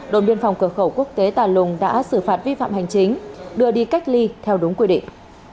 đồn biên phòng cửa khẩu quốc tế tà lùng đã xử phạt vi phạm hành chính đưa đi cách ly theo đúng quy định